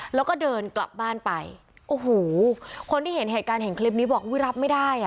แล้วก็เดินกลับบ้านไปโอ้โหคนที่เห็นเหตุการณ์เห็นคลิปนี้บอกอุ้ยรับไม่ได้อ่ะ